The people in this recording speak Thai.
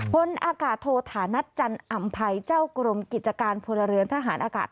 พลอากาศโทธานัทจันอำภัยเจ้ากรมกิจการพลเรือนทหารอากาศ